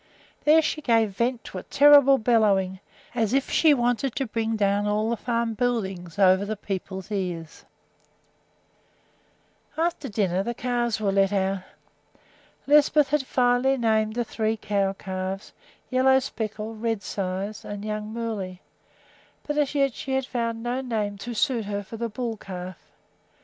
There she gave vent to a terrible bellowing, as if she wanted to bring all the farm buildings down over the people's ears. After dinner the calves were let out. Lisbeth had finally named the three cow calves Yellow Speckle, Redsides, and Young Moolley, but as yet she had found no name to suit her for the bull calf.